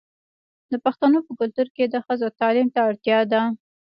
د پښتنو په کلتور کې د ښځو تعلیم ته اړتیا ده.